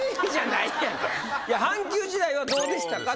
阪急時代はどうでしたかって。